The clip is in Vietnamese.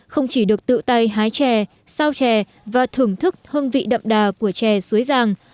không chỉ được tự tay hái chè sao chè và thưởng thức hương vị đậm đà của chè suối giàng